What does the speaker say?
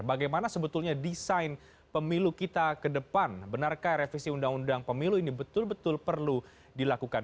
bagaimana sebetulnya desain pemilu kita ke depan benarkah revisi undang undang pemilu ini betul betul perlu dilakukan